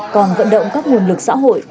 còn vận động các nguồn lực xã hội